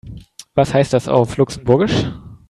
Was heißt das auf Luxemburgisch?